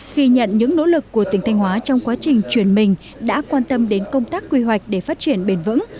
khi nhận những nỗ lực của tỉnh thanh hóa trong quá trình chuyển mình đã quan tâm đến công tác quy hoạch để phát triển bền vững